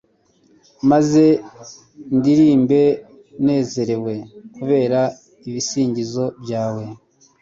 maze ndirimbe nezerewe kubera ibisingizo byawe